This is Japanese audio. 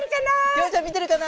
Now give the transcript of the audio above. りょうちゃん見てるかな？